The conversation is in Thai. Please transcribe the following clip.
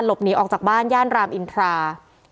หนีออกจากบ้านย่านรามอินทรา